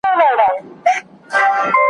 نظرونه دي زر وي خو بیرغ باید یو وي ,